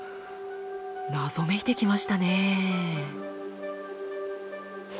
謎めいてきましたね。